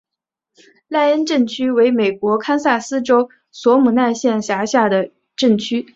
赖恩镇区为美国堪萨斯州索姆奈县辖下的镇区。